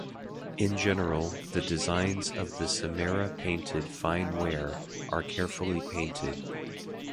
In general, the designs of the Samarra Painted Fine Ware are carefully painted.